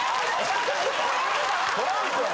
トランプだ！